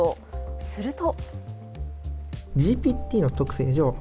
すると。